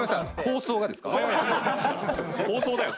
放送だよ